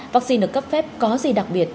vắc xin được cấp phép có gì đặc biệt